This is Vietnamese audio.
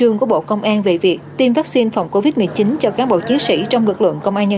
bệnh sát công an tỉnh đã phối hợp với các đơn vị liên quan